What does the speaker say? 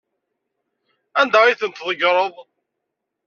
Anda ay ten-tḍeggreḍ?